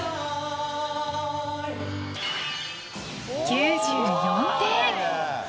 ９４点！